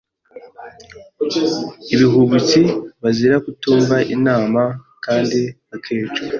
ibihubutsi bazira kutumva inama kandi bakicwa